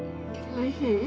おいしい？